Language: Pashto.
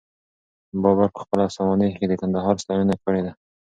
بابر په خپله سوانح کي د کندهار ستاینه کړې ده.